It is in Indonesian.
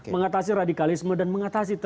mengatasi radikalisme dan mengatasi